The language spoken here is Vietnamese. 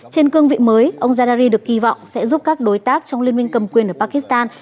trên cương vị mới ông zardari được kỳ vọng sẽ giúp các đối tác trong liên minh cầm quyền ở pakistan